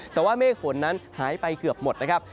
แต่ว่าเมฆฝนนั้นหายไปเกือบหมดนะครับ